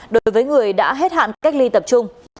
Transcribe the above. đối với người đã hết hạn cách ly tập trung